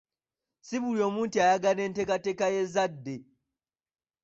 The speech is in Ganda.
Si buli omu nti ayagala enteekateeka y'ezzadde.